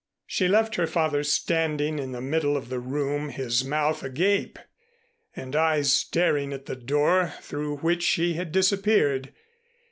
She left her father standing in the middle of the room, his mouth agape, and eyes staring at the door through which she had disappeared.